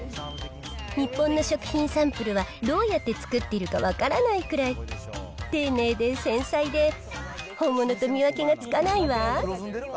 日本の食品サンプルはどうやって作っているか分からないくらい、丁寧で繊細で、本物と見分けがつかないわ。